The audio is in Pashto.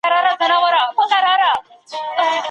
مذهب د انساني اړیکو د ځواک لپاره اساسی دی.